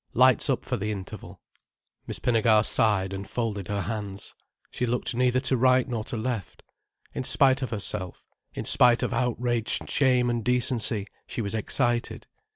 Lights up for the interval. Miss Pinnegar sighed and folded her hands. She looked neither to right nor to left. In spite of herself, in spite of outraged shame and decency, she was excited.